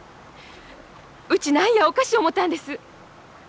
うち何やおかしい思たんです。